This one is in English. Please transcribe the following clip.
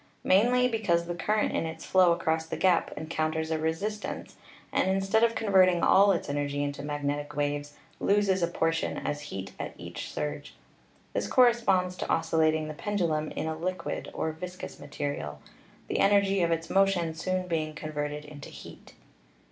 Mainly be cause the current in its flow across the gap encounters a resistance, and instead of converting all its energy into magnetic waves loses a portion as heat at each surge. This corresponds to oscillating the pendulum in a liquid or viscous material, the energy of its motion soon being converted into heat.